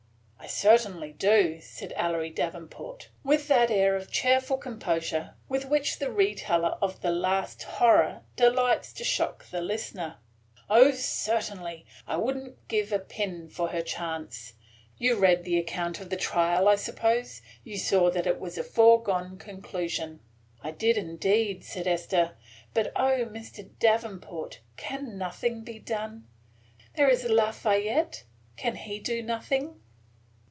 "Certainly I do," said Ellery Davenport, with that air of cheerful composure with which the retailer of the last horror delights to shock the listener. "O certainly! I would n't give a pin for her chance. You read the account of the trial, I suppose; you saw that it was a foregone conclusion?" "I did, indeed," said Esther, "But, O Mr. Davenport! can nothing be done? There is Lafayette; can he do nothing?"